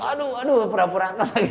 aduh aduh pura pura